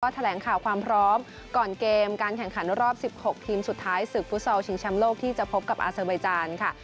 แถลงข่าวความพร้อมก่อนเกมการแข่งขันรอบ๑๖ทีมสุดท้ายศึกฟุตซอลชิงแชมป์โลกที่จะพบกับอาเซอร์ไบจานค่ะ